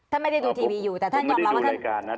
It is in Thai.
ท่านไม่ได้ดูทีวีอยู่แต่ท่านยอมรับว่าท่านผมไม่ได้ดูรายการนะ